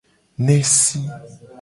Nesi.